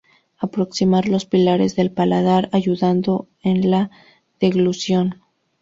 Aproximar los pilares del paladar, ayudando en la deglución.